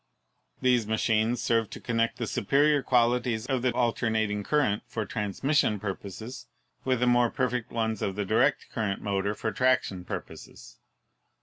These machines serve to connect the superior qualities of the alternating current for transmission pui poses with the more perfect ones of the direct current motor for traction purposes.